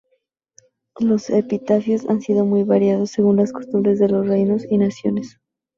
Los epitafios han sido muy variados, según las costumbres de los reinos y naciones.